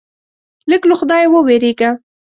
لږ له خدایه ووېرېږه.